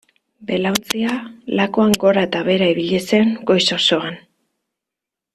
Belaontzia lakuan gora eta behera ibili zen goiz osoan.